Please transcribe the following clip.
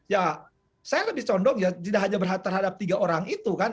ya saya lebih condong ya tidak hanya terhadap tiga orang itu kan